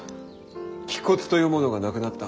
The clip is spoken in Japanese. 気骨というものがなくなった。